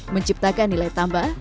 menciptakan nilai tambah